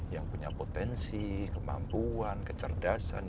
yang punya potensi kemampuan kecerdasan